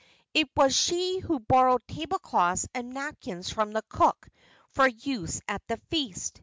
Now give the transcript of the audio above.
It was she who borrowed tablecloths and napkins from the cook for use at the feast.